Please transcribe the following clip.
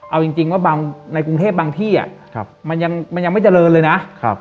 เอาจริงว่าบางในกรุงเทพบางที่มันยังไม่เจริญเลยนะ